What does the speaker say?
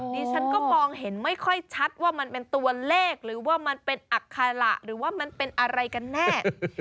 ดิฉันก็มองเห็นไม่ค่อยชัดว่ามันเป็นตัวเลขหรือว่ามันเป็นอัคคาระหรือว่ามันเป็นอะไรกันแน่